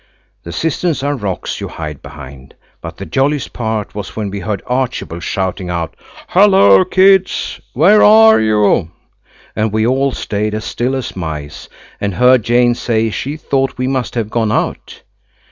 The cisterns are rocks you hide behind. But the jolliest part was when we heard Archibald shouting out, "Hullo! kids, where are you?" and we all stayed as still as mice, and heard Jane say she thought we must have gone out.